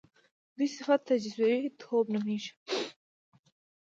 دویم صفت تجویزی توب نومېږي.